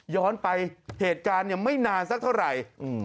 ย้อนไปเหตุการณ์ไม่นานสักเท่าไหร่